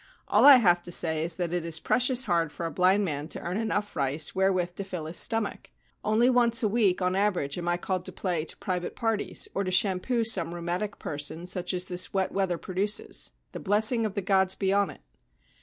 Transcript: ' All I have to say is that it is precious hard for a blind man to earn enough rice wherewith to fill his stomach. Only once a week on an average am I called to play to private parties or to shampoo some rheumatic person such as this wet weather produces — the blessing of the Gods be on it